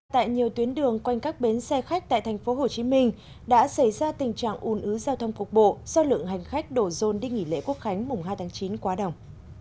tại nhiều tuyến đường quanh các bến xe khách tại tp hcm đã xảy ra tình trạng ùn ứ giao thông cục bộ do lượng hành khách đổ rôn đi nghỉ lễ quốc khánh mùng hai tháng chín quá đông